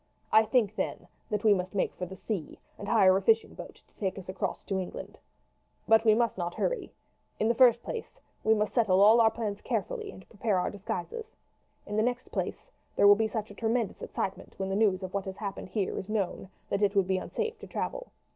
I think, then, that we must make for the sea and hire a fishing boat to take us across to England. "But we must not hurry. In the first place, we must settle all our plans carefully and prepare our disguises; in the next place, there will be such tremendous excitement when the news of what has happened here is known that it would be unsafe to travel.